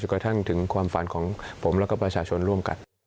กระทั่งถึงความฝันของผมแล้วก็ประชาชนร่วมกัน